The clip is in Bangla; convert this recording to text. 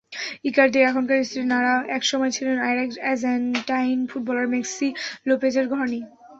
ইকার্দির এখনকার স্ত্রী নারা একসময় ছিলেন আরেক আর্জেন্টাইন ফুটবলার ম্যাক্সি লোপেজের ঘরনি।